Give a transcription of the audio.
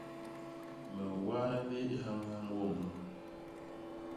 Me ñwaa ni hañhañ woñ nu!